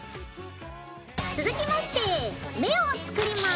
続きまして目を作ります。